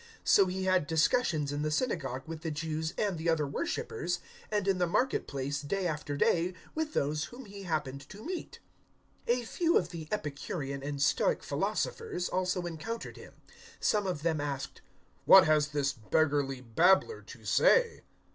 017:017 So he had discussions in the synagogue with the Jews and the other worshippers, and in the market place, day after day, with those whom he happened to meet. 017:018 A few of the Epicurean and Stoic philosophers also encountered him. Some of them asked, "What has this beggarly babbler to say?"